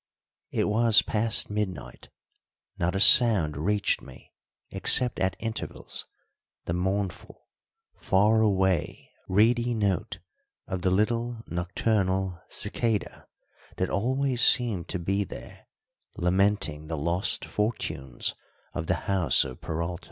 It was past midnight: not a sound reached me except at intervals the mournful, far away, reedy note of the little nocturnal cicada that always seemed to be there lamenting the lost fortunes of the house of Peralta.